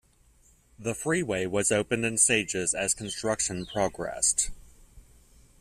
The freeway was opened in stages as construction progressed.